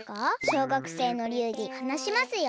小学生の流儀はなしますよ！